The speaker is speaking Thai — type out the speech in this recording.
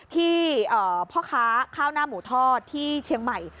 ที่พ่อค้าข้าวหน้าหมูทอดที่เชียงใหม่